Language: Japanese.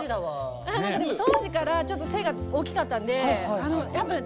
何かでも当時からちょっと背が大きかったんでやっぱね